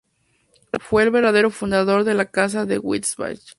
Fue el verdadero fundador de la Casa de Wittelsbach.